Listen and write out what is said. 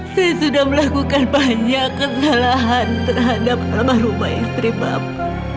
saya sudah melakukan banyak kesalahan terhadap rumah istri bapak